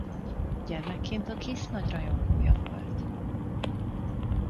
Gyermekként a Kiss nagy rajongója volt.